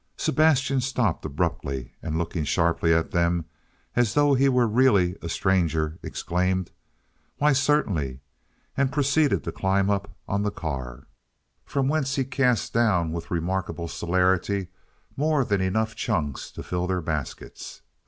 Sebastian stopped abruptly, and looking sharply at them as though he were really a stranger, exclaimed, "Why, certainly," and proceeded to climb up on the car, from whence he cast down with remarkable celerity more than enough chunks to fill their baskets.